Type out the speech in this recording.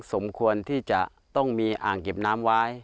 สมควรที่จะต้องมีอ่างเก็บน้ำไว้